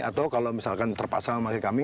atau kalau misalkan terpaksa memakai kami